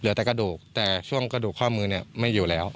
แต่กระดูกแต่ช่วงกระดูกข้อมือเนี่ยไม่อยู่แล้ว